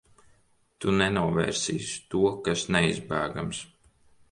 Tu nenovērsīsi to, kas neizbēgams.